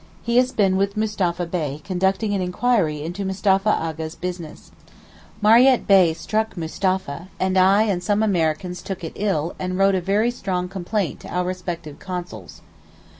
He has been with Mustapha Bey conducting an enquiry into Mustapha A'gha's business. Mariette Bey struck Mustapha, and I and some Americans took it ill and wrote a very strong complaint to our respective Consuls.